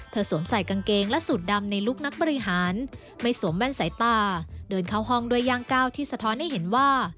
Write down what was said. สวมใส่กางเกงและสูตรดำในลุคนักบริหารไม่สวมแว่นสายตาเดินเข้าห้องด้วยย่างก้าวที่สะท้อนให้เห็นว่า